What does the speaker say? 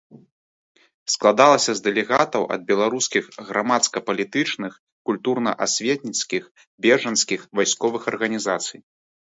Складалася з дэлегатаў ад беларускіх грамадска-палітычных, культурна-асветніцкіх, бежанскіх, вайсковых арганізацый.